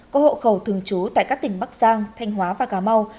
có hộ khẩu thường trú tại các tỉnh bắc giang thanh hóa và cà mau